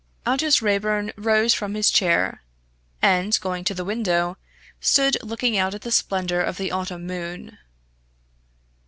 Aldous Raeburn rose from his chair and, going to the window, stood looking out at the splendour of the autumn moon.